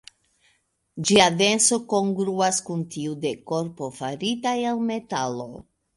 Ĝia denso kongruas kun tiu de korpo farita el metalo.